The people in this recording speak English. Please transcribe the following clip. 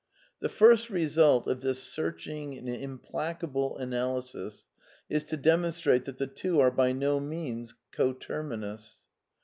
The first result of this searching and implacable analysis is to demonstrate that the two are by no means contermi nous.